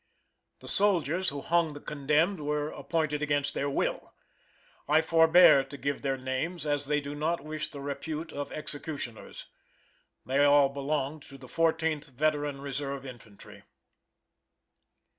The soldiers who hung the condemned were appointed against their will. I forbear to give their names as they do not wish the repute of executioners. They all belonged to the Fourteenth Veteran Reserve Infantry.